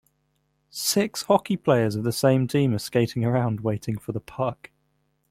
Six hockey players of the same team are skating around waiting for the puck.